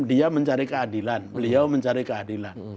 dia mencari keadilan beliau mencari keadilan